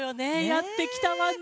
やってきたわね。